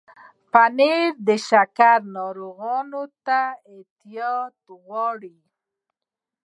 پنېر د شکر ناروغانو ته احتیاط غواړي.